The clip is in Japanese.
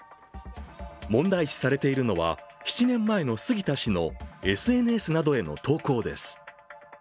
問題視されているのは、７年前の杉田氏のＳＮＳなどへの投稿です。